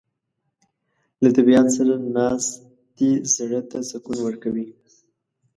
له طبیعت سره ناستې زړه ته سکون ورکوي.